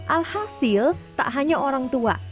alhasil tak hanya orang tua